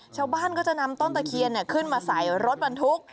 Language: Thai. ชาวบ้านก็จะนำต้นตะเคียนขึ้นมาใส่รถบรรทุก